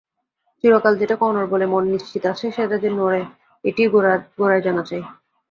চিরকাল যেটাকে অনড় বলে মন নিশ্চিন্ত আছে সেটা যে নড়ে এইটিই গোড়ায় জানা চাই।